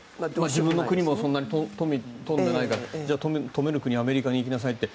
自分の国もそんなに富んでないから富める国アメリカに行きなさいって。